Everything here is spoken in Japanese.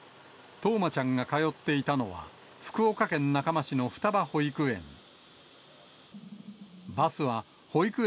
冬生ちゃんが通っていたのは、福岡県中間市の双葉保育園。